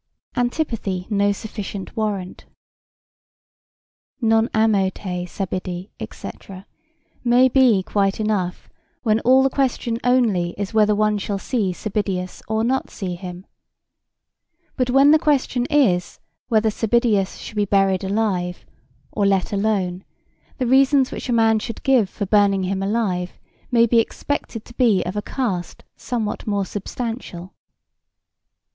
Antipathy no sufficient warrant Non amo te, Sabidi & c. [Martial, I, 32, Ed.] may be quite enough when all the question only is whether one shall see Sabidius or not see him: but when the question is whether Sabidius shall be buries alive or let alone the reasons which a man should give for burning him alive may be expected to be of a cast somewhat more substantial.